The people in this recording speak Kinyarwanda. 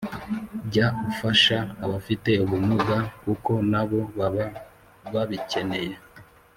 Jya ufasha abafite ubumuga kuko nabo baba babikeneye